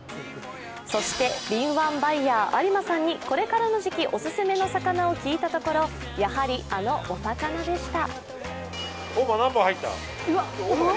そして、敏腕バイヤー・有馬さんにこれからの時期、オススメの魚を聞いたところ、やはりあのお魚でした。